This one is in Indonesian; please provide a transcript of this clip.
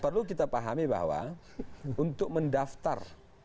perlu kita pahami bahwa untuk mendaftar